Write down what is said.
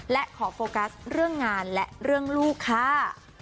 และขอโฟกัสเรื่องงานและเรื่องลูกค่ะ